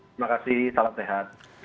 terima kasih salam sehat